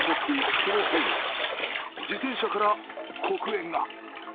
その背後で、自転車から黒煙が。